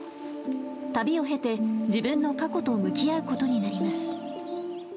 旅を経て自分の過去と向き合うことになります。